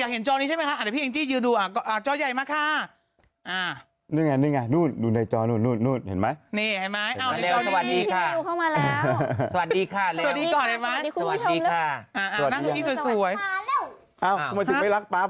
อ๋ออยากเห็นจอนี้ใช่มั้ยค่ะเดี๋ยวพี่เฮ้นกี้ดูจอใหญ่มาค่ะ